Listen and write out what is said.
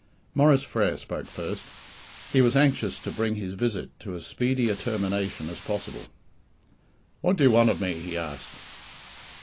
Maurice Frere spoke first; he was anxious to bring his visit to as speedy a termination as possible. "What do you want of me?" he asked.